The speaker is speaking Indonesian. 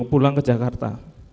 dan pulang ke jakarta